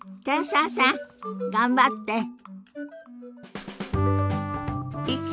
寺澤さん頑張って。